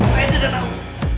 saya tidak tahu